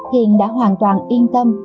hiền đã hoàn toàn yên tâm